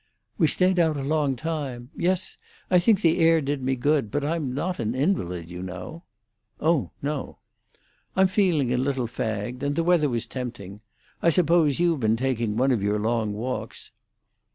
"We stayed out a long time. Yes, I think the air did me good; but I'm not an invalid, you know." "Oh no." "I'm feeling a little fagged. And the weather was tempting. I suppose you've been taking one of your long walks."